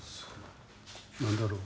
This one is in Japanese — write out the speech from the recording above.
何だろう